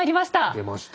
出ました！